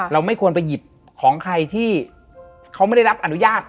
ไม่ควรไปหยิบของใครที่เขาไม่ได้รับอนุญาต